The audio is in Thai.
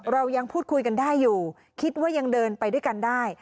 เรายังพูดคุยกันได้อยู่คิดว่ายังเดินไปด้วยกันได้